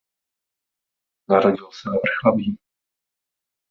Narodil se ve Vrchlabí.